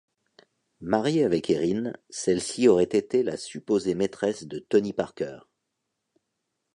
Marié avec Erin, celle-ci aurait été la supposée maîtresse de Tony Parker.